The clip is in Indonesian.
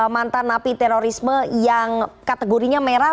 mantan napi terorisme yang kategorinya merah